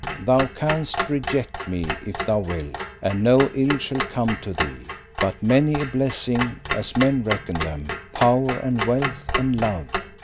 Thou canst reject me if thou wilt, and no ill shall come to thee, but many a blessing, as men reckon them power and wealth and love.